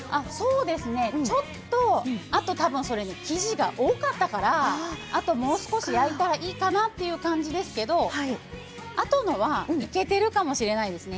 ちょっと、あとたぶん生地が多かったからあと、もう少し焼いたらいいかなという感じですけどあとのはいけてるかもしれないですね。